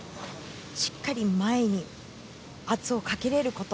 しっかり前に圧をかけれること。